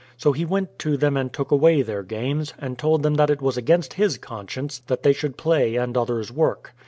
So he went to them and took away their games, and told them that it was against his conscience that they should play and others work.